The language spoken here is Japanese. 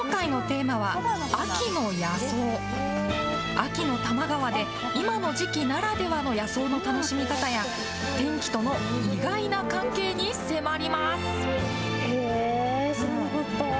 秋の多摩川で、今の時期ならではの野草の楽しみ方や、天気との意外な関係に迫ります。